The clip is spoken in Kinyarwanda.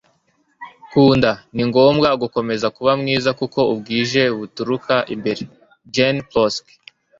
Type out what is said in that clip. kunda. ni ngombwa gukomeza kuba mwiza kuko ubwiza buturuka imbere. - jenn proske